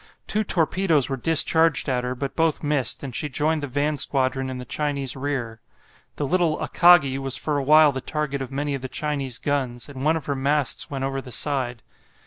Two torpedoes were discharged at her, but both missed, and she joined the van squadron in the Chinese rear. The little "Akagi" was for a while the target of many of the Chinese guns, and one of her masts went over the side.